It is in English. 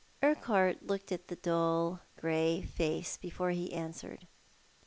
Urquhart looked at the dull, grey face before he answered.